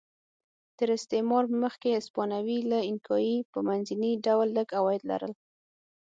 تر استعمار مخکې هسپانوي له اینکایي په منځني ډول لږ عواید لرل.